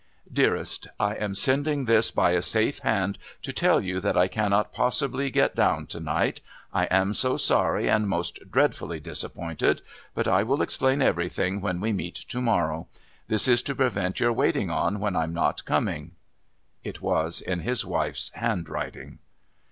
DEAREST I am sending this by a safe hand to tell you that I cannot possibly get down to night. I am so sorry and most dreadfully disappointed, but I will explain everything when we meet to morrow. This is to prevent your waiting on when I'm not coming. It was in his wife's handwriting.